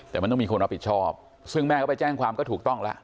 แต่มันต้องมีคนรับผิดชอบซึ่งแม่ก็ไปแจ้งความก็ถูกต้องแล้ว